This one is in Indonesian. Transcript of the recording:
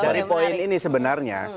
poin ini sebenarnya